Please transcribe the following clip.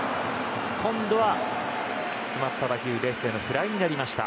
今度は詰まった打球レフトのフライになりました。